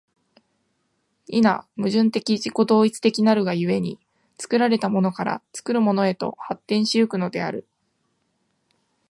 否、矛盾的自己同一的なるが故に、作られたものから作るものへと発展し行くのである。